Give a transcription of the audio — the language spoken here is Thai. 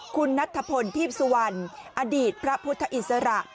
คุณนัทธพลทีพสุวรรณอดีตพระพุทธอิสระ